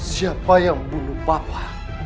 siapa yang bunuh papa